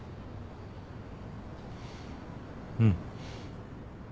うん。